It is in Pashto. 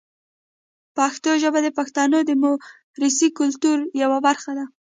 پښتو ژبه د پښتنو د موروثي کلتور یوه برخه ده.